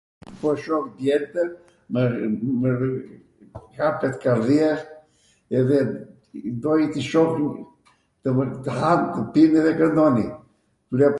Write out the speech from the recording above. po shoh djeltw, mw hapet kardhia edhe doj t'i shoh tw han, tw pin edhe kwndoni